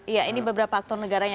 iya ini beberapa aktor negaranya